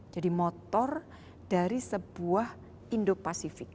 jadi motor dari sebuah indo pacific